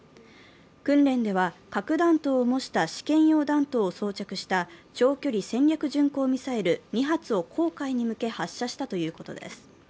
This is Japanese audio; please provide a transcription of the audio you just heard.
訓練では核弾頭をもした試験用弾頭を装着した長距離戦略巡航ミサイル２発を黄海に向け発射したということです。